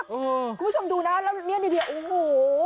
คุณผู้ชมดูนะแล้วเนี่ยโอ้โห